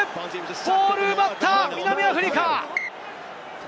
ボールを奪った南アフリカ。